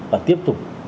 và tiếp tục